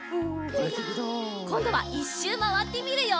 こんどはいっしゅうまわってみるよ。